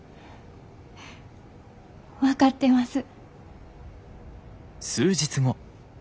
分かってます。